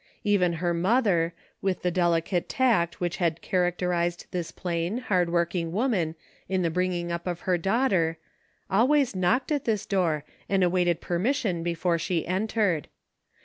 Even her mother, with the delicate tact which had characterized this plain, hard working woman in the bringing up of her daughter, always knocked at this door, and awaited permission before she entered.